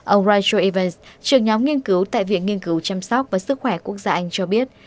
ông rachel evans trường nhóm nghiên cứu tại viện nghiên cứu chăm sóc và sức khỏe quốc gia anh cho biết